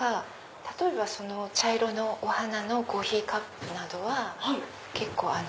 例えばその茶色のお花のコーヒーカップなどは結構。